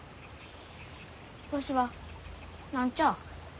わしは何ちゃあ。